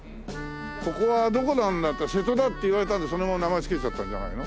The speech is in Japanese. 「ここはどこなんだ？」って「瀬戸だ」って言われたんでそのまま名前付けちゃったんじゃないの？